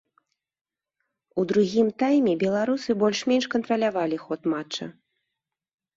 У другім тайме беларусы больш-менш кантралявалі ход матча.